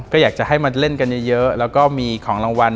ก็อยากจะให้มาเล่นกันเยอะแล้วก็มีของรางวัล